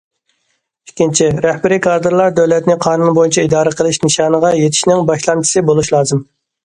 ئىككىنچى، رەھبىرىي كادىرلار دۆلەتنى قانۇن بويىچە ئىدارە قىلىش نىشانىغا يېتىشنىڭ باشلامچىسى بولۇش لازىم.